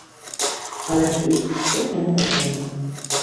Але тут што каму патрэбна.